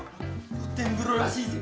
露天風呂らしいぜ。